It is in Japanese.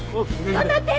頑張って！